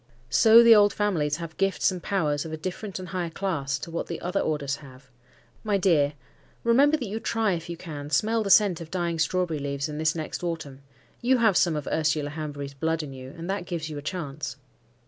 So the old families have gifts and powers of a different and higher class to what the other orders have. My dear, remember that you try if you can smell the scent of dying strawberry leaves in this next autumn. You have some of Ursula Hanbury's blood in you, and that gives you a chance."